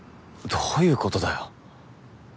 どういう事だよ？